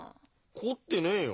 凝ってねえよ。